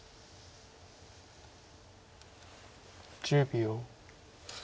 １０秒。